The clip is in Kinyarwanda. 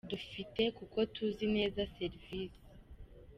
dufite kuko tuzi neza serivisi.